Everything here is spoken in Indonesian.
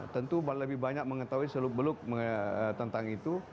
tentu lebih banyak mengetahui seluk beluk tentang itu